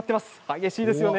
激しいですよね。